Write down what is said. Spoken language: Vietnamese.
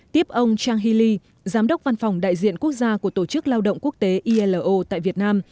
tiếp ông chang hee lee giám đốc văn phòng đại diện quốc gia của tổ chức lao động quốc tế ilo tại việt nam